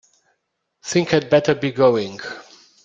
Think I'd better be going.